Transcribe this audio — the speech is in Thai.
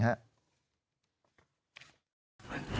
เฮ้ยเข้ามา